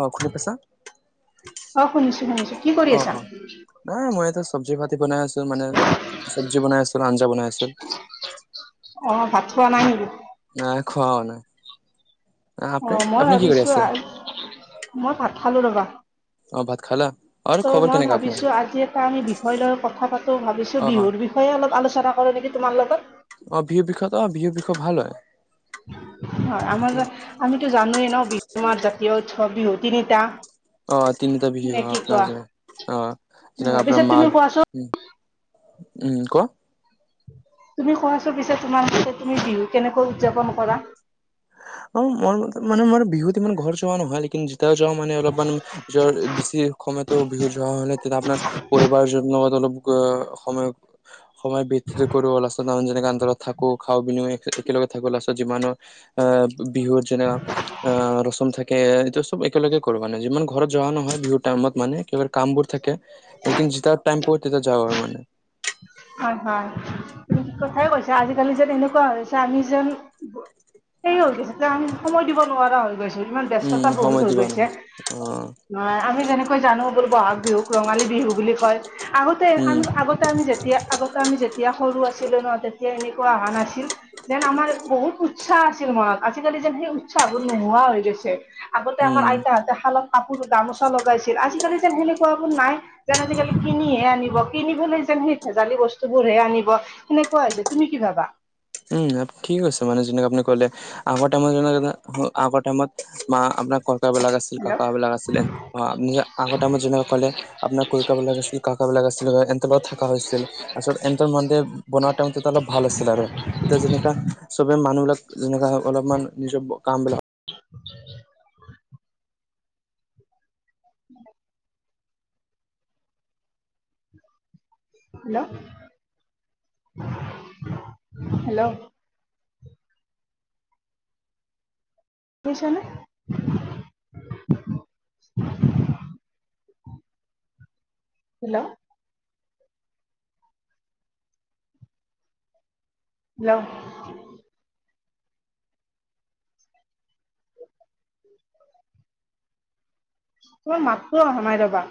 অ', শুনি পাইছা? অ', শুনিছো শুনিছো। কি কৰি অ', আছা অ', এ মইটো চব্জি পাতি বনাই আছোঁ মানে, চব্জি বনাই আছোঁ আৰু আঞ্জা বনাই আছোঁ। অ', ভাত খোৱা নাই নেকি? নাই খোৱা হোৱা নাই। আপনি অ', মই আপনি কি কৰি ভাবিছো, আছে মই ভাত খালো ৰ'বা। অ', ভাত খালা? আৰু ত', খবৰ মই কেনেকা আপোনাৰ ভাবিছো আজি এটা আমি বিষয় লৈ কথা পাতো, ভাবিছো অ অ বিহুৰ বিষয়ে [unintelligible] অলপ আলোচনা কৰো নেকি তোমাৰ লগত। অ', বিহু বিষয় অ', বিহু বিষয়, ভাল হয়। হয়, আমিতো জানো এ ন', বিহু আমাৰ জাতীয় উৎসৱ, বিহু তিনিটা। অ', তিনিটা বিহু নে কি আপোনাৰ কোৱা যে, অ', উম, যেনেকে আপোনাৰ পিছে তুমি মাঘ কোৱাচোন উম, ক? তুমি কোৱাছোন পিছে তোমাৰ মতে তুমি বিহু কেনেকৈ উদযাপন কৰা অ, মোৰ ম মানে মোৰ বিহুত ইমান ঘৰ যোৱা নহয় লেকিন ত, যাওঁ মানে অলপমান যোৱাৰ বেছি সময়ত। ত বিহু যোৱা হলে তেতিয়া আপোনাৰ পৰিবাৰৰ যোৱাৰ অলপ সময় সময় বিত কৰো লাষ্টত নু যেনেকৈ অন্তৰত থাকো। খাওঁ পিন একেলগে থাকো লাষ্টত যিমানো আ বিহুৰ যেনেকে আ, ৰচম থাকে। কে এই চব একেলগে কৰো মানে। যিমান ঘৰত যোৱা নহয় বিহু টাইমত মানে কামবোৰ থাকে। লেকিন যেতিয়া টাইম পাওঁ তেতিয়া যাও আৰু মানে। হয় হয় তুমি ঠিক কথাই কৈছা আজিকালি যেন এনেকুৱা হৈছে, আমি যেন হেৰি, হৈ গৈছে যে আমি সময় দিব নোৱাৰা হৈ গৈছো। ইমান ব্যস্ততা উম বহুত সময় হৈ দিব গৈছে। নহয় অ আমি যেনেকৈ জানো বোলো বহাগ বিহুক ৰঙালী বিহু বুলি কয়। আগতে উম আমি আগত আমি যেতিয়া আগতে আমি যেতিয়া সৰু আছিলো ন, তেতিয়া এনেকুৱা অহা নাছিল। যেন আমাৰ বহুত উৎসাহ আছিল মনত। আজিকালি যেন সেই উৎসাহ বোৰ নোহোৱা হৈ গৈছে। আগতে আমাৰ উম আইতাহঁতে শালত কাপোৰ গামোচা লগাইছিল। আজিকালি যেন সেনেকুৱাবোৰ নাই। যেন আজিকালি কিনিহে আনিব। কিনিবলৈ যেন সেই ভেজালি বস্তুবোৰহে আনিব সেনেকুৱা হৈছে। তুমি কি ভাবা? উম, ঠিক কৈছে, মানে যেনেক আপুনি ক'লে। আগতে টাইমত, যেনেকে আগৰ টাইমত মা আপোনাৰ ককাবিলাক আছিলে। হেল্ল' কাকাবিলাক আছিলে। আপুনি যে আগতে যেনেকৈ কলে আপোনাৰ ককাবিলাক আছিল কাকাবিলাক আছিল। সিহঁতৰ লগত থকা হৈছিল। আচল, সিহঁতৰ মানে বনোৱা টাইমতে অলপ ভাল আছিল আৰু। এতিয়া যেনেকা চবে মানুহ বিলাক যেনকা অলপমান নিজৰ কামবিলাক [unintelligible] [unintelligible] হেল্ল হেল্ল'। শুনিছ নে হেল্ল'। হেল্ল'। তোমাৰ মাতটো আহাঁ নাই ৰবা।